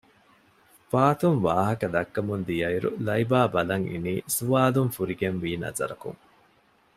ފާތުން ވާހަކަ ދައްކަމުންދިޔައިރު ލައިބާ ބަލަންއިނީ ސުވާލުން ފުރިގެންވީ ނަޒަރަކުން